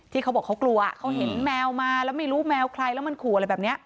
เขาบอกเขากลัวเขาเห็นแมวมาแล้วไม่รู้แมวใครแล้วมันขู่อะไรแบบนี้